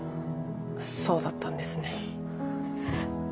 そうだったんですね。